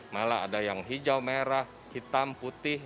malah ada yang hijau merah hitam putih